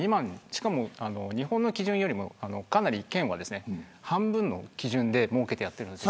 しかも、日本の基準よりも県は半分の基準を設けてやってます。